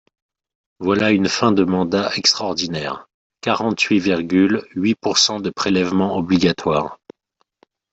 Voilà une fin de mandat extraordinaire, quarante-huit virgule huit pourcent de prélèvements obligatoires.